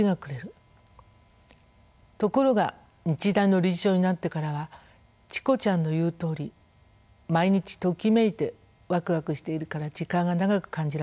ところが日大の理事長になってからはチコちゃんの言うとおり毎日ときめいてわくわくしているから時間が長く感じられます。